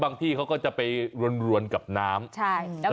บางทีเค้าก็จะไปรวนกับน้ำ